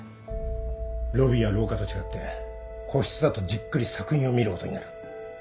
ロビーや廊下と違って個室だとじっくり作品を見ることになる。